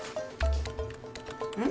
うん？